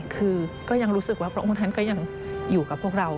คือก็ยังรู้สึกว่าพระองค์ท่านก็ยังอยู่กับพวกเรา